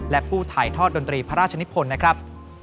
และผู้ถ่ายทอดดนตรีพระราชนิพลนะครับ